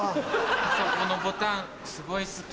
あそこのボタンすごい好き。